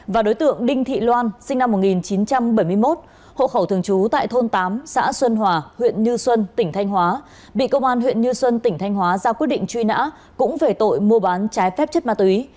và đối tượng đinh thị loan sinh năm một nghìn chín trăm bảy mươi một hộ khẩu thường trú tại thôn tám xã xuân hòa huyện như xuân tỉnh thanh hóa bị công an huyện như xuân tỉnh thanh hóa ra quyết định truy nã cũng về tội mua bán trái phép chất ma túy